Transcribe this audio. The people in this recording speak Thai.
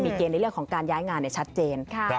เกณฑ์ในเรื่องของการย้ายงานชัดเจน